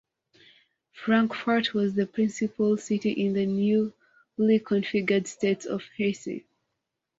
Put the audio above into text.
Frankfurt was the principal city in the newly configured State of Hesse.